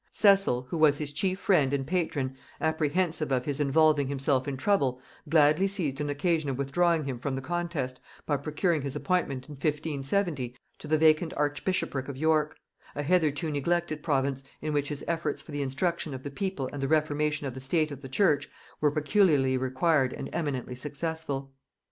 Cecil, who was his chief friend and patron, apprehensive of his involving himself in trouble, gladly seized an occasion of withdrawing him from the contest, by procuring his appointment in 1570 to the vacant archbishopric of York; a hitherto neglected province, in which his efforts for the instruction of the people and the reformation of the state of the church were peculiarly required and eminently successful.